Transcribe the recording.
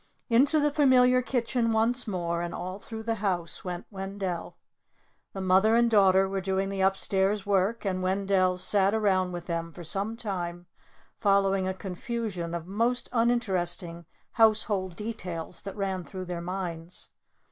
Into the familiar kitchen once more, and all through the house, went Wendell. The mother and daughter were doing the upstairs work and Wendell sat around with them for some time, following a confusion of most uninteresting household details that ran through their minds.